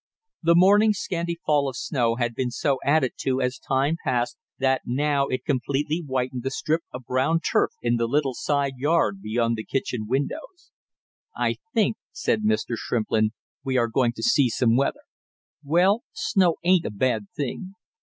The morning's scanty fall of snow had been so added to as time passed that now it completely whitened the strip of brown turf in the little side yard beyond the kitchen windows. "I think," said Mr. Shrimplin, "we are going to see some weather. Well, snow ain't a bad thing."